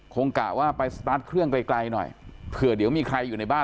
กะว่าไปสตาร์ทเครื่องไกลไกลหน่อยเผื่อเดี๋ยวมีใครอยู่ในบ้าน